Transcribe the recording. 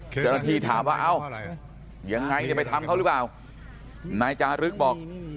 เจ้าหน้าที่ถามว่าเอ้ายังไงจะไปทำเขาหรือเปล่านายจารึกบอก